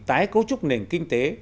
tái cấu trúc nền kinh tế